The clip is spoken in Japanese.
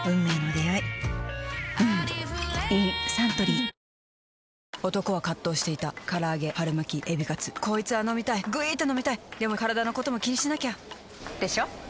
サントリー男は葛藤していた唐揚げ春巻きエビカツこいつぁ飲みたいぐいーーっと飲みたいでもカラダのことも気にしなきゃ！でしょ？